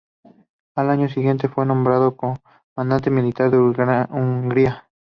Al año siguiente fue nombrado comandante militar en Hungría.